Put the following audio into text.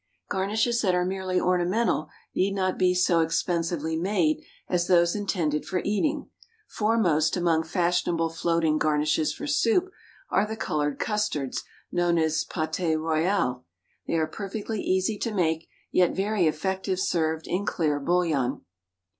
Garnishes that are merely ornamental need not be so expensively made as those intended for eating. Foremost among fashionable floating garnishes for soup are the colored custards known as pâte royale; they are perfectly easy to make, yet very effective served in clear bouillon.